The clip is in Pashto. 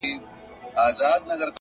هغه و تورو غرونو ته رويا وايي _